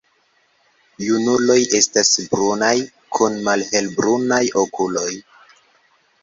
Junuloj estas brunaj kun malhelbrunaj okuloj.